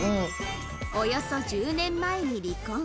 およそ１０年前に離婚